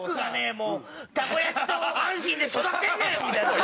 もう「たこ焼きと阪神で育ってんねん」みたいな。